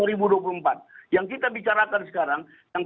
kami mengatakan sekarang